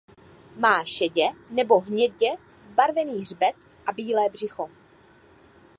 Má šedě nebo hnědě zbarvený hřbet a bílé břicho.